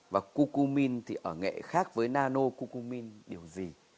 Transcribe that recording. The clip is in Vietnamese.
và cucumin thì ở nghệ khác với nano cucumin điều gì